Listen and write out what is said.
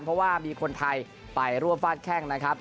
เพราะว่ามีคนไทยไปร่วมฟาดแข้งนะครับ